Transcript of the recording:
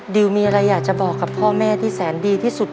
ดิวมีอะไรอยากจะบอกกับพ่อแม่ที่แสนดีที่สุด